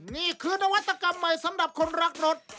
นี่คือนวัตกรรมใหม่สำหรับคนรักรถ